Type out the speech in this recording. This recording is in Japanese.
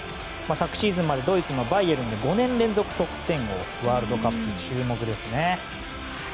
昨シーズンまでドイツのバイエルンで５年連続得点王ワールドカップ注目ですね。